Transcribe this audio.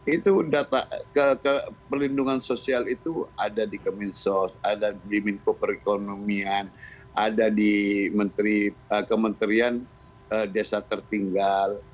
itu data pelindungan sosial itu ada di kemin sos ada di minko perekonomian ada di kementerian desa tertinggal